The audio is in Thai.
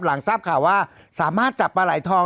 หลังทราบข่าวว่าสามารถจับปลาไหลทอง